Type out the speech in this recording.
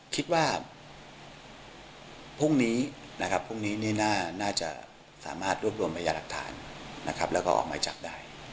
คิดว่าพรุ่งนี้นะครับพรุ่งนี้นี่น่าจะสามารถรวบรวมพยาหลักฐานนะครับแล้วก็ออกหมายจับได้